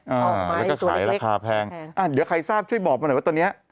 ออกมาอย่างนี้ตัวเล็กแพงอ่ะเดี๋ยวใครทราบช่วยบอกไหมว่าตอนนี้